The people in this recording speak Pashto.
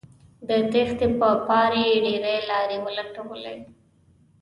د تېښتې په پار یې ډیرې لارې ولټولې